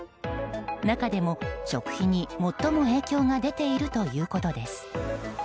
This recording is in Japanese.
中でも食費に、最も影響が出ているということです。